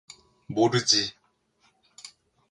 모르지.